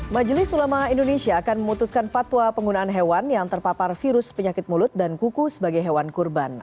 majelis ulama indonesia akan memutuskan fatwa penggunaan hewan yang terpapar virus penyakit mulut dan kuku sebagai hewan kurban